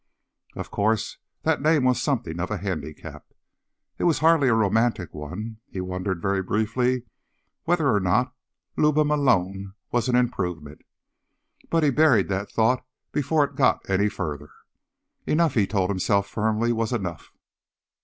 Of course, that name was something of a handicap. It was hardly a romantic one. He wondered, very briefly, whether or not "Luba Malone" were an improvement. But he buried the thought before it got any further. Enough, he told himself firmly, was enough.